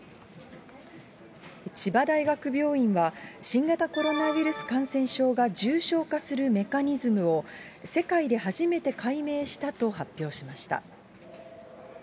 千葉大学病院は、新型コロナウイルス感染症が重症化するメカニズムを、世界で初めて解明したと発表しました。